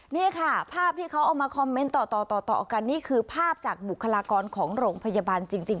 นี่ค่ะภาพที่เขาเอามาคอมเมนต์ต่อต่อกันนี่คือภาพจากบุคลากรของโรงพยาบาลจริง